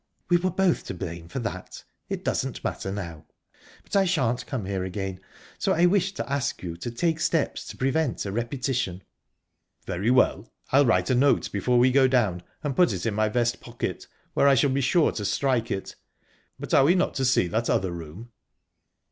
"We were both to blame for that. It doesn't matter now. But I shan't come here again, so I wish to ask you to take steps to prevent a repetition." "Very well. I'll write a note before we go down, and put it in my vest pocket, where I shall be sure to strike it...But are we not to see that other room?"